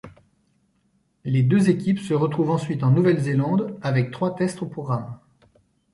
Ls deux équipes se retrouvent ensuite en Nouvelle-Zélande avec trois tests au programme.